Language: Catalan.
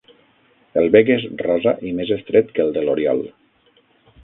El bec és rosa i més estret que el de l'oriol.